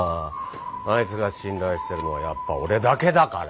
あいつが信頼してるのはやっぱ俺だけだから？